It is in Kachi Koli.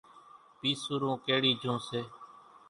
پِيسُورون ڪيڙِي جھون سي۔